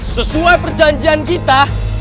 sesuai perjanjian kita